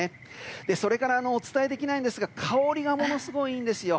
それからお伝えできないんですが香りがものすごいいいんですよ。